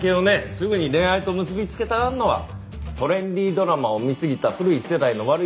すぐに恋愛と結び付けたがるのはトレンディードラマを見すぎた古い世代の悪い癖よ。